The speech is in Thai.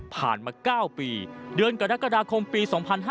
ผ่านมา๙ปีเดือนกรกฎาคมปี๒๕๖๒